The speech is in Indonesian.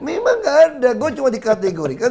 memang nggak ada gue cuma dikategorikan